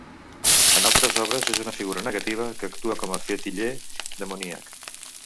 En altres obres és una figura negativa, que actua com a fetiller demoníac.